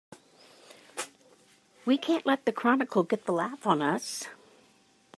We can't let the Chronicle get the laugh on us!